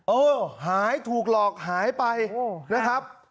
เออหายถูกหลอกหายไปนะครับ